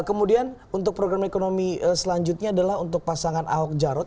kemudian untuk program ekonomi selanjutnya adalah untuk pasangan ahok jarot